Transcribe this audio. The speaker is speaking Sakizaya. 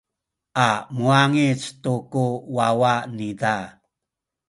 a muwangic tu ku wawa niza.